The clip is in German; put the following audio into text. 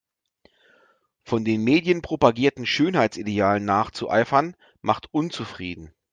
Von den Medien propagierten Schönheitsidealen nachzueifern macht unzufrieden.